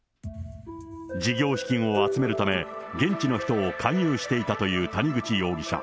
事業資金を集めるため、現地の人を勧誘していたという谷口容疑者。